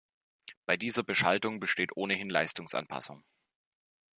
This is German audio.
Bei dieser Beschaltung besteht ohnehin Leistungsanpassung.